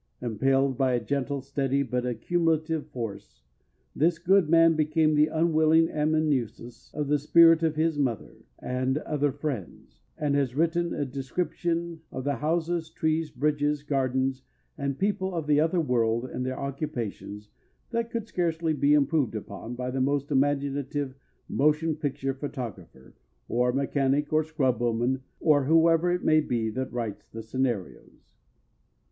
Impelled by a "gentle, steady but accumulative force" this good man became the unwilling amanuensis of the spirit of his mother and "other friends" and has written a description of the houses, trees, bridges, gardens and people of the other world and their occupations that could scarcely be improved upon by the most imaginative motion picture photographer, or mechanic or scrub woman or whoever it may be that writes the scenarios.